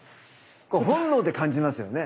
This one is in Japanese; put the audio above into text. こう本能で感じますよね。